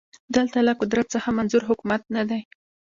دلته له قدرت څخه منظور حکومت نه دی